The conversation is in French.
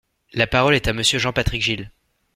La parole est à Monsieur Jean-Patrick Gille.